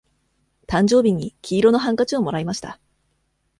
誕生日に黄色のハンカチをもらいました。